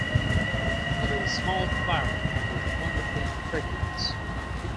It's a small flower with a wonderful fragrance.